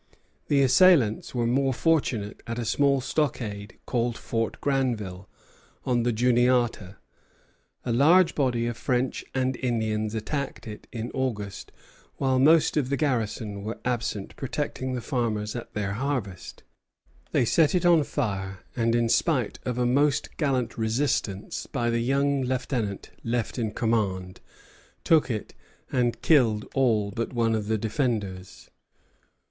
The assailants were more fortunate at a small stockade called Fort Granville, on the Juniata. A large body of French and Indians attacked it in August while most of the garrison were absent protecting the farmers at their harvest; they set it on fire, and, in spite of a most gallant resistance by the young lieutenant left in command, took it, and killed all but one of the defenders.